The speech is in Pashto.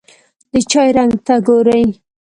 د چای رنګ ته ګوري.